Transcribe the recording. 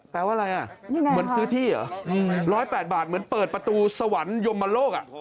แปลว่าอะไรน่ะยังไงครับร้อยแปดบาทเหมือนเปิดประตูสวรรค์ยมลก